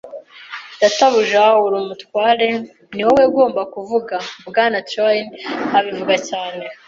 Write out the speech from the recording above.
“Databuja, uri umutware. Ni wowe ugomba kuvuga. ”Bwana Trelawney abivuga cyane.